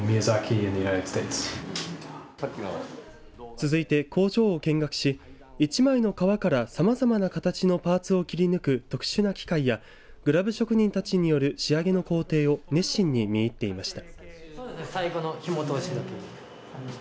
続いて工場を見学し１枚の革からさまざまな形のパーツを切り抜く特殊な機械やグラブ職人たちによる仕上げの工程を熱心に見入っていました。